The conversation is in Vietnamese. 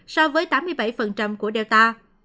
so với tám mươi bảy của delta